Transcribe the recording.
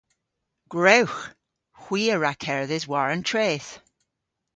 Gwrewgh! Hwi a wra kerdhes war an treth.